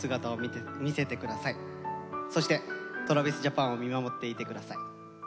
そしてＴｒａｖｉｓＪａｐａｎを見守っていて下さい。